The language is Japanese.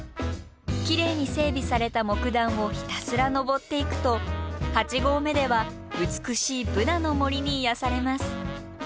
きれいに整備された木段をひたすら登っていくと八合目では美しいブナの森に癒やされます。